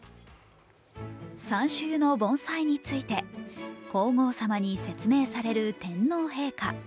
サンシュユの盆栽について皇后さまに説明される天皇陛下。